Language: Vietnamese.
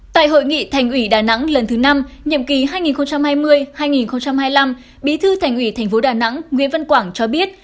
tại hội nghị thành ủy đà nẵng lần thứ năm nhiệm kỳ hai nghìn hai mươi hai nghìn hai mươi năm bí thư thành ủy tp đà nẵng nguyễn văn quảng cho biết